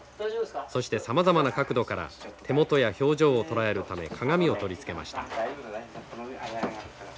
そしてさまざまな角度から手元や表情を捉えるため鏡を取り付けました。